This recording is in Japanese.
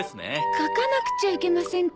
書かなくちゃいけませんか？